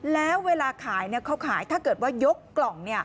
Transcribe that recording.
แล้วเวลาขายเนี่ยเขาขายถ้าเกิดว่ายกกล่องเนี่ย